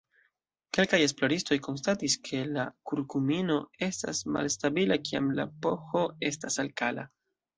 Kelkaj esploristoj konstatis ke la kurkumino estas malstabila kiam la pH estas alkala.